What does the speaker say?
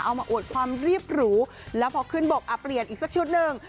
มาอวดความเรียบหรูแล้วพอขึ้นบกอ่ะเปลี่ยนอีกสักชุดหนึ่ง